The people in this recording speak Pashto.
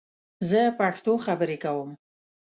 زه پښتو خبرې کوم